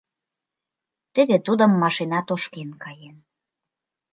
Теве тудым машина тошкен каен...